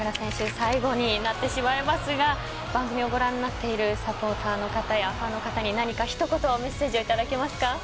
最後になってしまいますが番組をご覧になっているサポーターやファンの方に何かひと言メッセージをいただけますか？